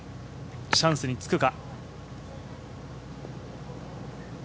チャンスにつくか？